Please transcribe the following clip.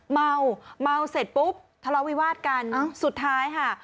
เมาเมาเสร็จปุ๊บทะเลาวิวาสกันสุดท้ายค่ะ